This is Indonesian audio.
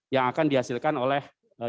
yang akan dihasilkan oleh